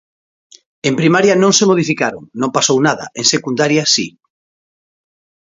En primaria non se modificaron, non pasou nada, en secundaria, si.